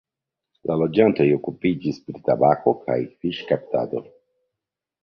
La loĝantoj okupiĝis pri tabako kaj fiŝkaptado.